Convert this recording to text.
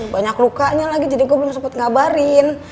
banyak lukanya lagi jadi gue belum sempet ngabarin